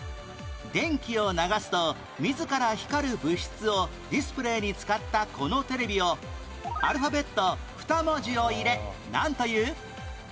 電気を流すと自ら光る物資をディスプレーに使ったこのテレビをアルファベット２文字を入れなんという？